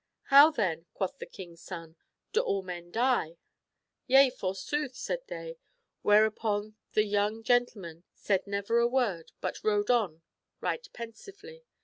" How, then," quoth the king's son, "do all men die?" " Yea, forsooth," said they. Whereupon the young gentle man said never a word, but rode on right pensively.